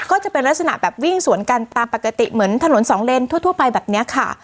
ก็จะเป็นลักษณะแบบวิ่งสวนกันตามปกติเหมือนถนนสองเลนทั่วไปแบบนี้ค่ะ